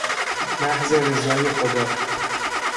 محض رضای خدا